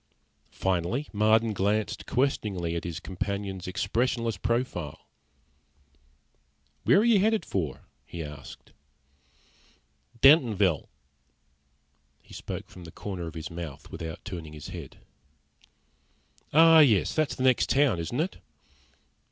Finally Marden glanced questioningly at his companion's expressionless profile. "Where are you headed for?" he asked. "Dentonville." He spoke from the corner of his mouth, without turning his head. "Oh, yes. That's the next town, isn't it?"